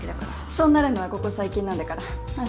そうなるのはここ最近なんだから安心して。